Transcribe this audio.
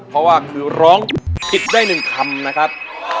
เพราะว่าคือร้องผิดได้๑คำนะครับ